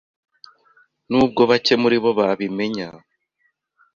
Nubwo bake muribo babimenya.